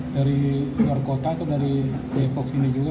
dari luar kota itu dari depok sini juga